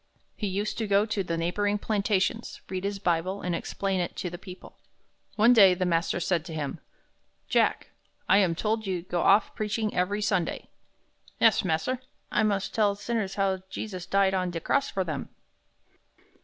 He used to go to the neighboring plantations, read his Bible, and explain it to the people. One day the master said to him, "Jack, I am told that you go off preaching every Sunday." "Yes, mas'r, I must tell sinners how Jesus died on de cross for dem."